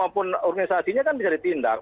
maupun organisasinya kan bisa ditindak